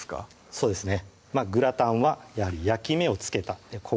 そうですね